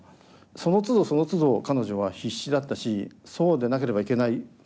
そのつどそのつど彼女は必死だったしそうでなければいけない。